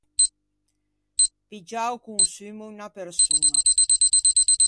Piggiâ a-o consummo unna persoña.